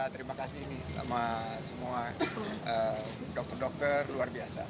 kita terima kasih sama semua dokter dokter luar biasa